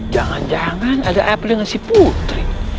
jangan jangan ada apa dengan si putri